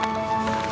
aku mau ke rumah